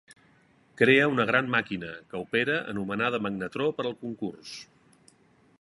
Crea una gran màquina, que opera anomenada "Magnetró" per al concurs.